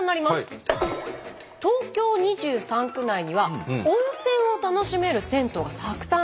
「東京２３区内には温泉を楽しめる銭湯がたくさんあります」。